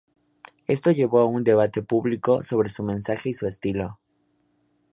Esto llevó a un debate público sobre su mensaje y su estilo.